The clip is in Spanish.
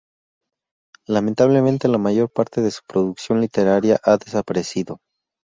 Lamentablemente la mayor parte de su producción literaria ha desaparecido.